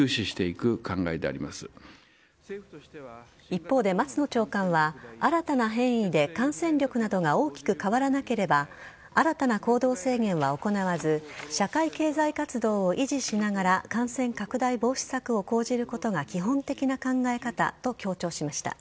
一方で松野長官は新たな変異で感染力などが大きく変わらなければ新たな行動制限は行わず社会経済活動を維持しながら感染拡大防止策を講じることが基本的な考え方と強調しました。